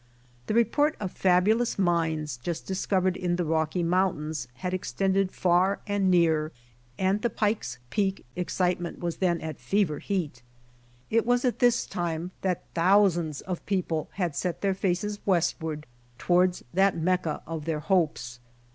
The report of fabulous mines just discovered in the Rocky mountains had extended far and near, and the Pike's Peak excitement was then at fever heat It was at this time that thousands of people had set their faces westward towards that mecca of their hopes.